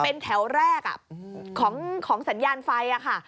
เป็นแถวแรกของสัญญาณไฟค่ะ